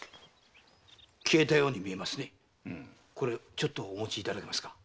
ちょっとお持ちいただけますか？